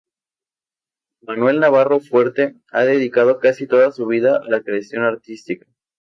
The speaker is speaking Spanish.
Manuel Navarro Fuerte ha dedicado casi toda su vida a la creación artística.